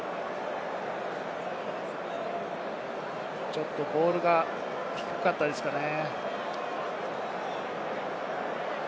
ちょっとボールが低かったですかね。